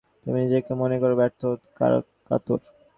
তুমি নিজেকে মনে কর ব্যথাকাতর।